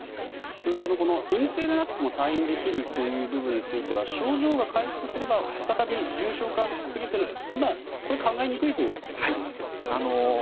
それと、陰性でなくても退院できるという部分については症状が回復すれば再び重症化するというのは今、これは考えにくいということなんですか？